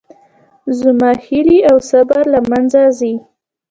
زموږ هیلې او صبر له منځه ځي